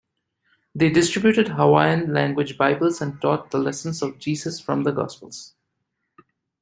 They distributed Hawaiian language Bibles and taught the lessons of Jesus from the gospels.